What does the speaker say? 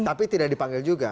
tapi tidak dipanggil juga